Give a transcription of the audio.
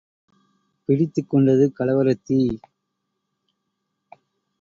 பிடித்துக் கொண்டது கலவரத் தீ!